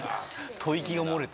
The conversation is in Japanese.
吐息が漏れた。